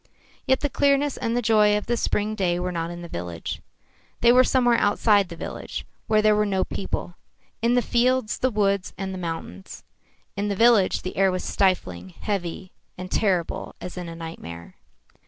Yet the clearness and the joy of the spring day were not in the village. They were somewhere outside the village, where there were no people in the fields, the woods and the mountains. In the village the air was stifling, heavy and terrible as in a nightmare.